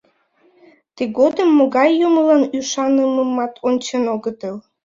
Тыгодым могай юмылан ӱшанымымат ончен огытыл.